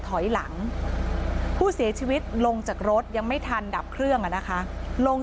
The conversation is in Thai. ถอยหลังผู้เสียชีวิตลงจากรถยังไม่ทันดับเครื่องอ่ะนะคะลง